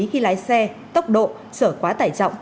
khi lái xe tốc độ sở quá tải trọng